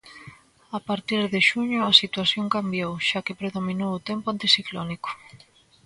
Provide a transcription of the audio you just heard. A partir de xuño, a situación cambiou, xa que predominou o tempo anticiclónico.